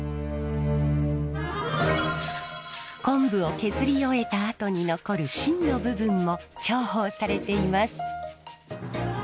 昆布を削り終えたあとに残る芯の部分も重宝されています。